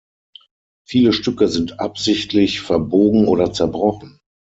Viele Stücke sind absichtlich verbogen oder zerbrochen.